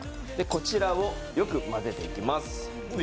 こちらをよく混ぜていきます。